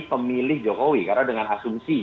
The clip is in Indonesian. pemilih jokowi karena dengan asumsi